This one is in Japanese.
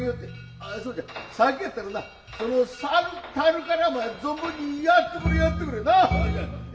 ああそうじゃ酒やったらなその樽からお前ぞんぶんにやってくれやってくれなあ。